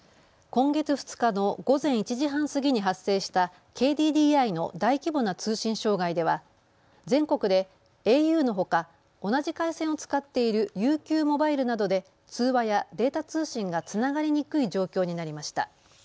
今月２日の午前１時半過ぎに発生したＫＤＤＩの大規模な通信障害では全国でａｕのほか、同じ回線を使っているＵＱモバイルなどで通話やデータ通信がつながりにくい状況になりました。